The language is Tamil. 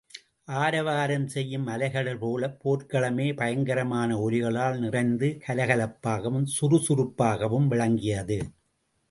ஆரவாரம் செய்யும் அலைகடல் போலப் போர்க்களமே பயங்கரமான ஒலிகளால் நிறைந்து கலகலப்பாகவும் சுறுசுறுப்பாகவும் விளங்கியது.